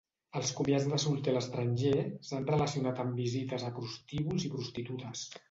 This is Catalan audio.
Els comiats de solter a l'estranger s'han relacionat amb visites a prostíbuls i prostitutes.